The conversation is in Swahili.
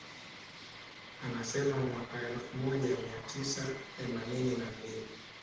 Anasema mwaka elfu moja mia tisa themanini na mbili